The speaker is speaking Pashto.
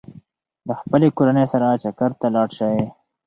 د خپلې کورنۍ سره چکر ته لاړ شئ.